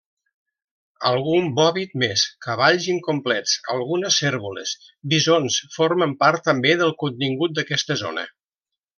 Algun bòvid més, cavalls incomplets, algunes cérvoles, bisons formen part també del contingut d'aquesta zona.